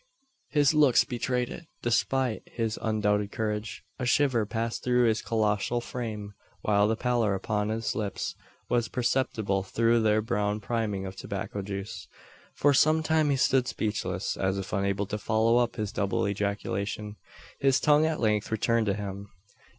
His looks betrayed it. Despite his undoubted courage, a shiver passed through his colossal frame; while the pallor upon his lips was perceptible through their brown priming of tobacco juice. For some time he stood speechless, as if unable to follow up his double ejaculation. His tongue at length returned to him.